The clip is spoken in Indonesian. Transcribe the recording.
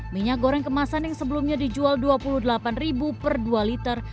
minyak goreng kemasan yang sebelumnya dijual rp dua puluh delapan per dua liter